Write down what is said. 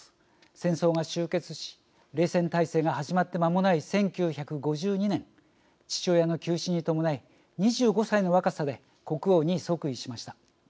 戦争が終結し冷戦体制が始まって、まもない１９５２年父親の急死に伴い２５歳の若さで国王に即位しました。